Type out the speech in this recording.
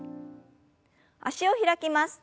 脚を開きます。